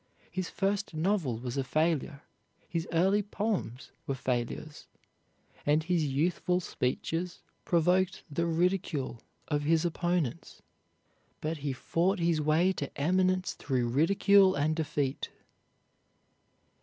His first novel was a failure; his early poems were failures; and his youthful speeches provoked the ridicule of his opponents. But he fought his way to eminence through ridicule and defeat.